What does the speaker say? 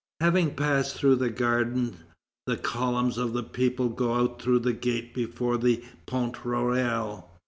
Having passed through the garden, the columns of the people go out through the gate before the Pont Royal.